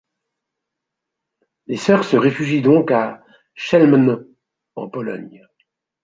Les Sœurs se réfugient donc à Chełmno en Pologne.